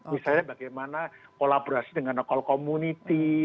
misalnya bagaimana kolaborasi dengan call community